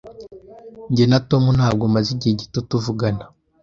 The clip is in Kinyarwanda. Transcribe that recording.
Jye na Tom ntabwo maze igihe gito tuvugana.